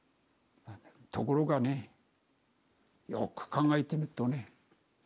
ところがねよく考えてみっとね